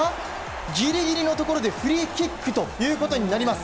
ギリギリのところでフリーキックということになります。